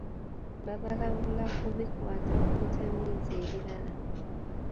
Babalabula ku bikwata ku bitamiiza ebirala.